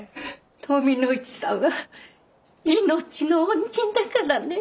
富の市さんは命の恩人だからね。